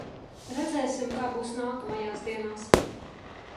Redzēsim, kā būs nākamajās dienās.